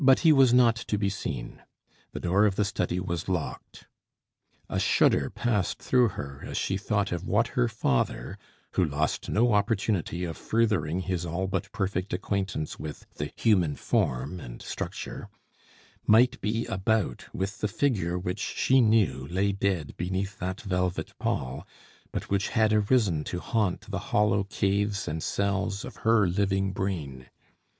But he was not to be seen; the door of the study was locked. A shudder passed through her as she thought of what her father, who lost no opportunity of furthering his all but perfect acquaintance with the human form and structure, might be about with the figure which she knew lay dead beneath that velvet pall, but which had arisen to haunt the hollow caves and cells of her living brain.